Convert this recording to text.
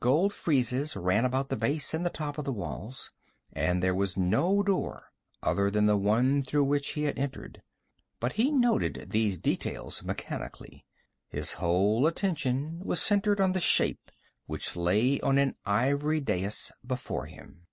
Gold friezes ran about the base and the top of the walls, and there was no door other than the one through which he had entered. But he noted these details mechanically. His whole attention was centered on the shape which lay on an ivory dais before him.